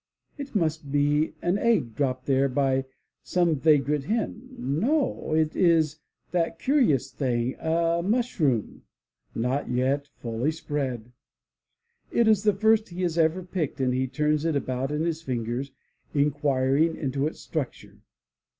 — ^it must be an egg dropped there by some 99 M Y BOOK HOUSE vagrant hen. No! It is that curious thing, a mushroom, not yet full spread. It is the first he has ever picked and he turns it about in his fingers inquiring into its structure.